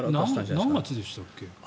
あれ何月でしたっけ？